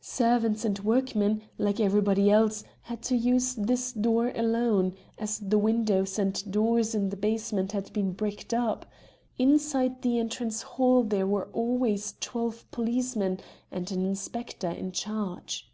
Servants and workmen, like everybody else, had to use this door alone, as the windows and doors in the basement had all been bricked up. Inside the entrance hall there were always twelve policemen, and an inspector in charge.